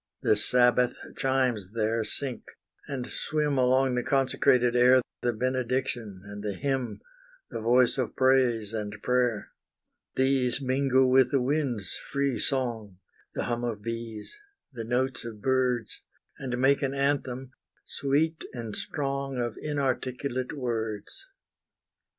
The Sabbath chimes there sink and swim Along the consecrated air, The benediction and the hymn, The voice of praise and prayer: These mingle with the wind's free song, The hum of bees, the notes of birds, And make an anthem sweet and strong Of inarticulate words.